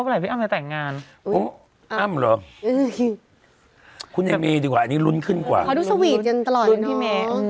บิดเบรกอย่างนี้ล่ะเอาอีกคราวไหม